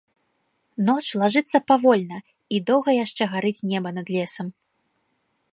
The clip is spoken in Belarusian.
Ноч лажыцца павольна, і доўга яшчэ гарыць неба над лесам.